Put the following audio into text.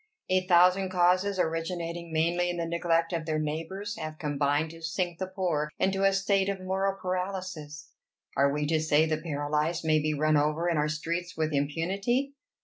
A thousand causes, originating mainly in the neglect of their neighbors, have combined to sink the poor into a state of moral paralysis: are we to say the paralyzed may be run over in our streets with impunity?